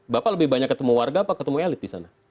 bapak lebih banyak ketemu warga apa ketemu elit di sana